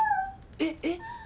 えっえっ？